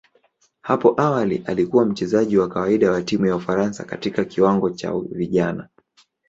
Hapo awali alikuwa mchezaji wa kawaida wa timu ya Ufaransa katika kiwango cha vijana.